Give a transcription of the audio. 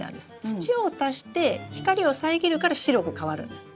土を足して光を遮るから白く変わるんです。